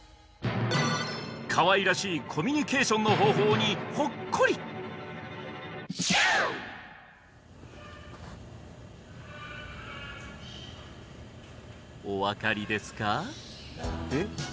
かわいらしいコミュニケーションの方法にほっこりお分かりですか？